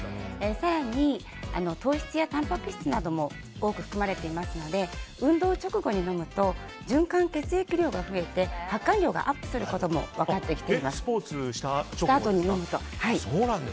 更に、糖質やたんぱく質なども多く含まれていますので運動直後に飲むと循環血液量が増えて発汗量が増えることも分かってきています。